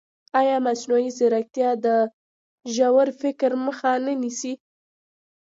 ایا مصنوعي ځیرکتیا د ژور فکر مخه نه نیسي؟